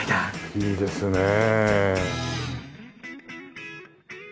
いいですねえ。